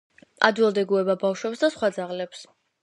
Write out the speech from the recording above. ადვილად ეგუება ბავშვებს და სხვა ძაღლებს.